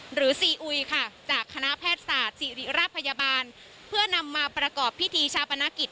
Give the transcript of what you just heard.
หรือซีอุยจากคณะแพทย์ศาสตร์สิริรัพยาบาลเพื่อนำมาประกอบพิธีชาวประนักกิจ